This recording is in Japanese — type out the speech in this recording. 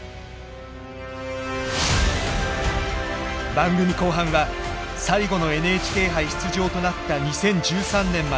番組後半は最後のＮＨＫ杯出場となった２０１３年までを振り返る。